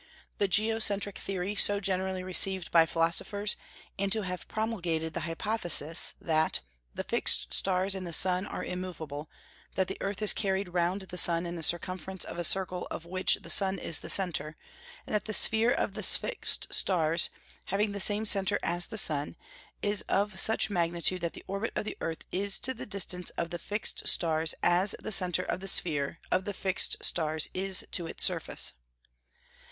the geocentric theory so generally received by philosophers, and to have promulgated the hypothesis "that the fixed stars and the sun are immovable; that the earth is carried round the sun in the circumference of a circle of which the sun is the centre; and that the sphere of the fixed stars, having the same centre as the sun, is of such magnitude that the orbit of the earth is to the distance of the fixed stars as the centre of the sphere of the fixed stars is to its surface."